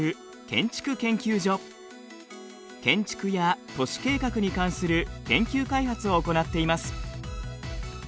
建築や都市計画に関する研究開発を行っています。